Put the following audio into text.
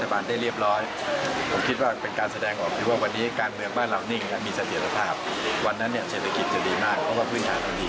วันนั้นเศรษฐกิจจะดีมากเพราะว่าพื้นฐานนั้นดี